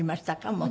もう。